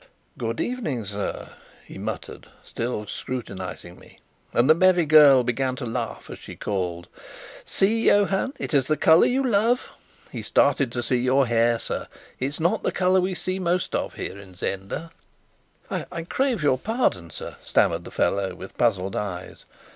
"Good evening, sir," he muttered, still scrutinizing me, and the merry girl began to laugh as she called "See, Johann, it is the colour you love! He started to see your hair, sir. It's not the colour we see most of here in Zenda." "I crave your pardon, sir," stammered the fellow, with puzzled eyes.